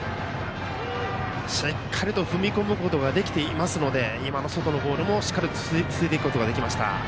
しっかりと踏み込むことができていますので今の外のボールも、しっかりとスイングすることができました。